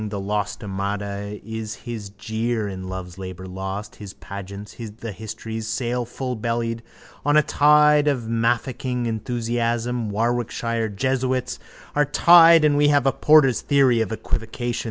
The lost armada is his jeer in Love's Labour Lost. His pageants, the histories, sail fullbellied on a tide of Mafeking enthusiasm. Warwickshire jesuits are tried and we have a porter's theory of equivocation.